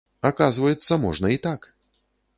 Аказваецца, можна і так.